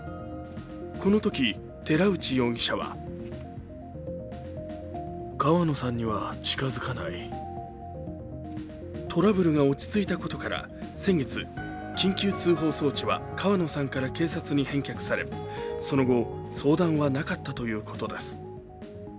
このとき、寺内容疑者はトラブルが落ち着いたことから先月、緊急通報装置は川野さんから警察へ返却されその後、相談はなかったということです。